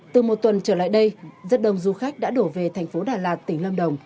từ một tuần trở lại đây rất đông du khách đã đổ về thành phố đà lạt tỉnh lâm đồng